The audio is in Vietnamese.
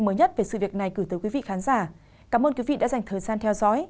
mới nhất về sự việc này gửi tới quý vị khán giả cảm ơn quý vị đã dành thời gian theo dõi